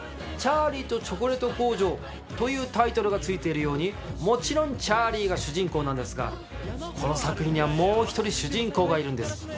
『チャーリーとチョコレート工場』というタイトルがついているようにもちろんチャーリーが主人公なんですがこの作品にはもう１人主人公がいるんです。